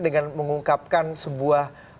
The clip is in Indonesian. dengan mengungkapkan sebuah